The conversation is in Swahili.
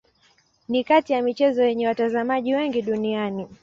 Ni kati ya michezo yenye watazamaji wengi duniani.